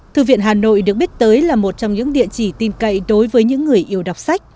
thư viện hà nội được biết tới là một trong những địa chỉ tin cậy đối với những người yêu đọc sách